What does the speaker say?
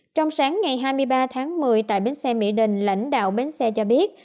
trong sáng ngày hai mươi ba tháng một mươi tại bến xe mỹ đình lãnh đạo bến xe cho biết